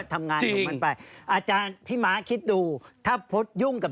ตรงนี้จะไม่ค่อยหรือจะไม่มี